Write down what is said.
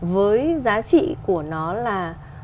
với giá trị của nó là